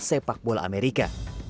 sepak bola amerika